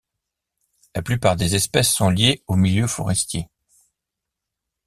La plupart des espèces sont liées aux milieux forestiers.